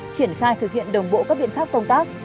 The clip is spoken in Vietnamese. triển khai thực hiện đồng bộ các biện pháp công tác